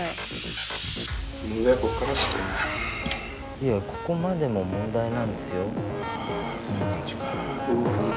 いやここまでも問題なんですよ。